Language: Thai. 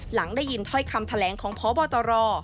หลังได้ยินถ้อยคำแถลงของพบตร